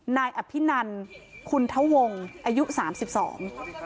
นายอภินันคุณทะวงอายุสามสิบสอง